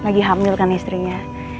lagi hamil kan istrinya